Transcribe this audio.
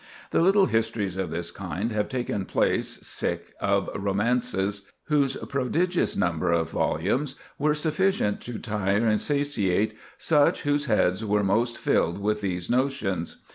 The little histories of this kind have taken place of romances, whose prodigious number of volumes were sufficient to tire and satiate such whose heads were most filled with these notions....